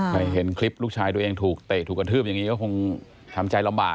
เห็นคลิปลูกชายตัวเองถูกเตะถูกกระทืบอย่างนี้ก็คงทำใจลำบาก